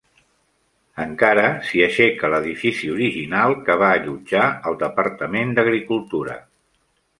Encara s'hi aixeca l'edifici original que va allotjar el departament d'agricultura.